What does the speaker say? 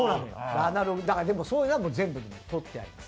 だから、そういうのは全部取ってあります。